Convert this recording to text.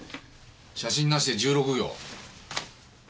写真なしで１６行。